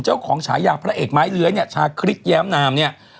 เจ้าของฉายาพระเอกม้ายเหลือยชาคริสแย้มนาม